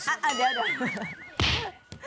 เดี๋ยว